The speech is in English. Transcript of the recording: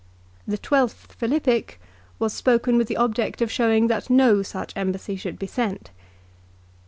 The twelfth Philippic was spoken with the object of showing that no such embassy should be sent.